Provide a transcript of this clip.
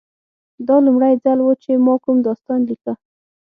دا لومړی ځل و چې ما کوم داستان لیکه